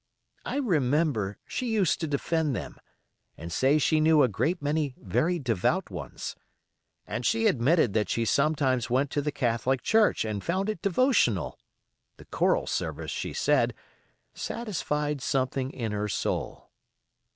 I remember she used to defend them, and say she knew a great many very devout ones. And she admitted that she sometimes went to the Catholic church, and found it devotional; the choral service, she said, satisfied something in her soul.